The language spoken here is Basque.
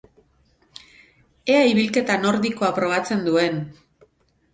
Ea ibilketa nordikoa probatzen duen!